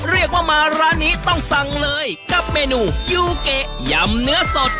เรียกว่ามาร้านนี้ต้องสั่งเลยกับเมนูยูเกะยำเนื้อสด